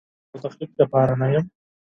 زه د نوښت او تخلیق لپاره نه یم.